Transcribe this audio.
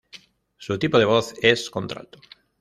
Su tipo de voz es Contralto.